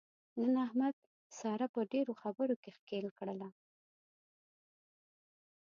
نن احمد ساره په ډېرو خبرو کې ښکېل کړله.